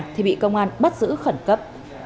thì bị công an bắt giữ khẩn cấp